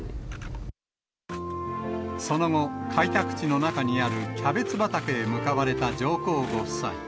その後、開拓地の中にあるキャベツ畑へ向かわれた上皇ご夫妻。